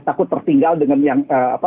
takut tertinggal dengan yang